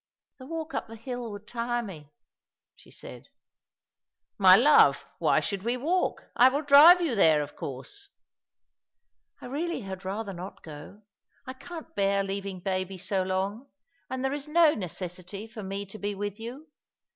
" The walk up the hill would tire me," she raid. 202 All along the River, " My love, why should we walk ? I will drive you there, of course." *' I really had rather not go. I can't bear leaving baby so long; and there is no necessity for me to be with you.